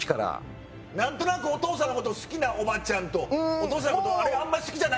何となくお父さんのことを好きなおばちゃんとお父さんのことをあんまり好きじゃないなって